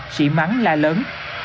xỉ mắng la lớn